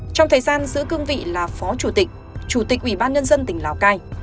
trong thời gian giữ cương vị là phó chủ tịch chủ tịch ủy ban nhân dân tỉnh lào cai